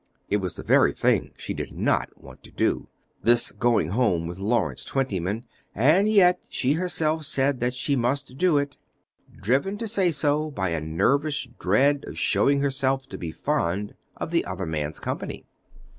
It was the very thing she did not want to do, this going home with Lawrence Twentyman; and yet she herself said that she must do it, driven to say so by a nervous dread of showing herself to be fond of the other man's company.